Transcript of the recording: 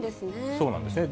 そうなんですね。